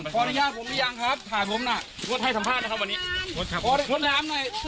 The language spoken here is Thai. ขออนุญาตผมยังถ่ายผมน่ะ